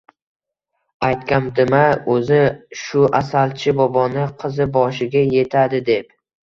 Aytgandim-a, o`zi, shu Asalchi boboni qizi boshiga etadi deb